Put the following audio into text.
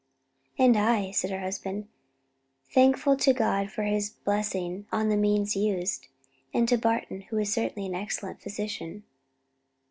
"And I," said her husband; "thankful to God for his blessing on the means used, and to Barton, who is certainly an excellent physician."